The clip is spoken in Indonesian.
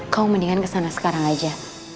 kamu mendingan kesana sekarang aja